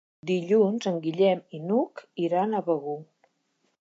Dilluns en Guillem i n'Hug iran a Begur.